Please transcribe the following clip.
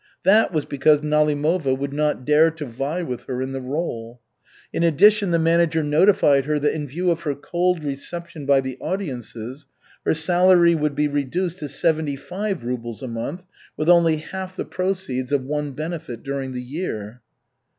That was because Nalimova would not dare to vie with her in the rôle. In addition, the manager notified her that in view of her cold reception by the audiences, her salary would be reduced to seventy five rubles a month, with only half the proceeds of one benefit during the year.